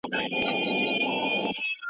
د لویې جرګي پرېکړي ولي مهمې دي؟